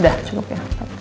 udah cukup ya